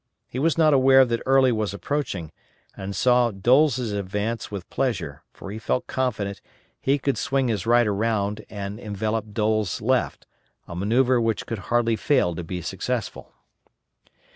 He was not aware that Early was approaching, and saw Doles' advance with pleasure, for he felt confident he could swing his right around and envelop Doles' left; a manoeuvre which could hardly fail to be successful.